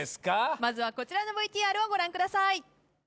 まずはこちらのＶＴＲをご覧ください。